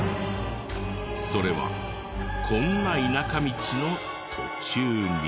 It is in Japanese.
それはこんな田舎道の途中に。